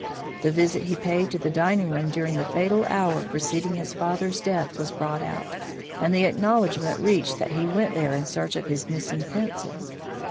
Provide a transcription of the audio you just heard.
The visit he paid to the dining room during the fatal hour preceding his father's death was brought out, and the acknowledgment reached that he went there in search of his missing pencil.